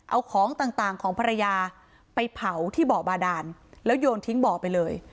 เอาของต่างของภรรยาไปเผาที่บ่อบาดานแล้วโยนทิ้งบ่อไปเลย